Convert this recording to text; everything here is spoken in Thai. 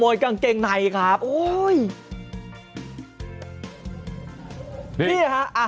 สวยเป็นประม่วงเลยใช่มั้ย